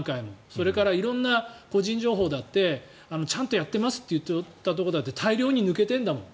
それから色んな個人情報だってちゃんとやってますと言っていたところだって大量に抜けてるんだもん。